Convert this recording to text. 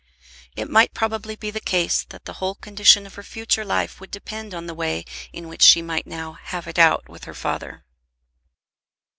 It might probably be the case that the whole condition of her future life would depend on the way in which she might now "have it out" with her father.